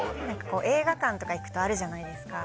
映画館とか行くとあるじゃないですか。